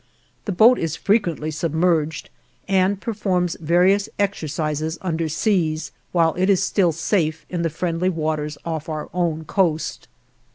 The boat is frequently submerged and performs various exercises underseas, while it is still safe in the friendly waters off our own coast.